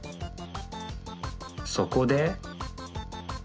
そこで。